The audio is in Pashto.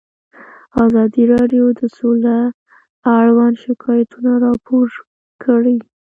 ازادي راډیو د سوله اړوند شکایتونه راپور کړي.